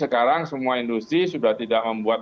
sekarang semua industri sudah tidak membuat